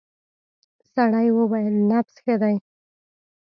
سړی وویل نبض ښه دی.